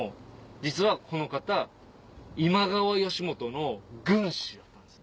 実はこの方今川義元の軍師だったんです。